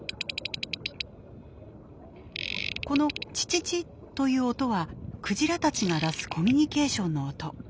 この「チチチ」という音はクジラたちが出すコミュニケーションの音。